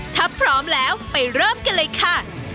ถ้าพร้อมแล้วไปเริ่มกันเลยค่ะ